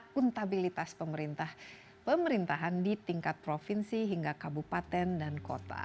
akuntabilitas pemerintah pemerintahan di tingkat provinsi hingga kabupaten dan kota